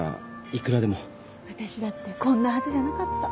私だってこんなはずじゃなかった。